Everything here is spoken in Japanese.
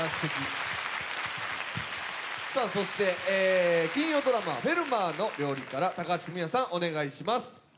そして、金曜ドラマ「フェルマーの料理」から高橋文哉さん、お願いします。